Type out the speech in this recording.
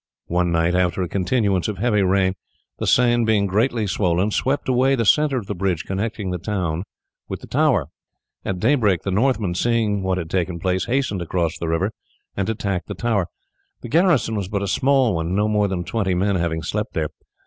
One night after a continuance of heavy rain the Seine, being greatly swollen, swept away the centre of the bridge connecting the tower with the town. At daybreak the Northmen, seeing what had taken place, hastened across the river and attacked the tower. The garrison was but a small one, no more than twenty men having slept there.